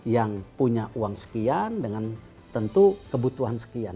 yang punya uang sekian dengan tentu kebutuhan sekian